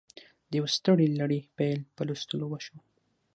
د یوې سترې لړۍ پیل په لوستلو وشو